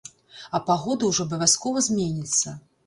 А пагода ўжо абавязкова зменіцца.